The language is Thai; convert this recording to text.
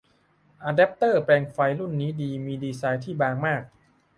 อะแดปเตอร์แปลงไฟรุ่นนี้มีดีไซน์ที่บางมาก